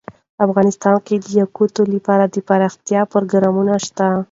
افغانستان کې د یاقوت لپاره دپرمختیا پروګرامونه شته.